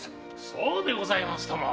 そうでございますとも！